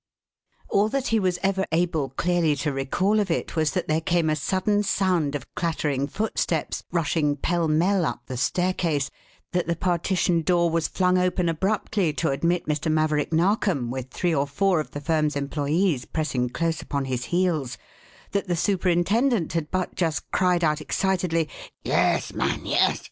All that he was ever able clearly to recall of it was that there came a sudden sound of clattering footsteps rushing pell mell up the staircase; that the partition door was flung open abruptly to admit Mr. Maverick Narkom, with three or four of the firm's employees pressing close upon his heels; that the superintendent had but just cried out excitedly, "Yes, man, _yes!